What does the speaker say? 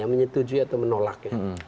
menyetujui atau menolak